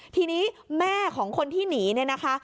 ทีนี้แม่ของคนที่หนีเนี่ยนะคะ